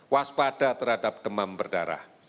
waspada terhadap demam berdarah